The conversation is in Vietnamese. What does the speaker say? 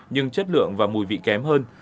nhưng chất lượng và mùi vị kém hơn